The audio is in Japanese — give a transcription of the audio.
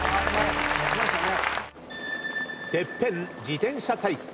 ＴＥＰＰＥＮ自転車対決。